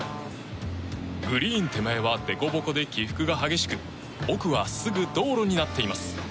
グリーン手前はでこぼこで起伏が激しく奥はすぐ道路になっています。